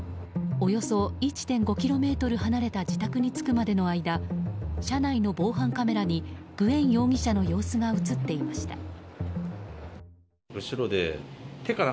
およそ１．５ｋｍ離れた自宅に着くまでの間車内の防犯カメラにグエン容疑者の様子が映っていました。